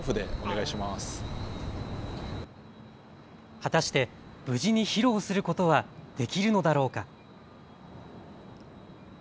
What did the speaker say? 果たして、無事に披露することはできるのだろうか。